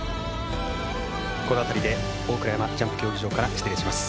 この辺りで大倉山ジャンプ競技場から失礼します。